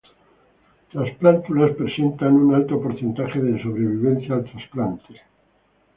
Las plántulas presentan un alto porcentaje de sobrevivencia al trasplante.